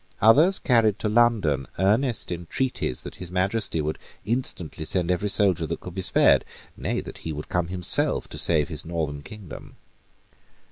Others carried to London earnest entreaties that His Majesty would instantly send every soldier that could be spared, nay, that he would come himself to save his northern kingdom.